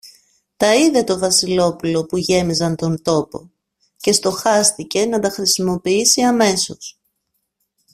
Τα είδε το Βασιλόπουλο που γέμιζαν τον τόπο, και στοχάστηκε να τα χρησιμοποιήσει αμέσως.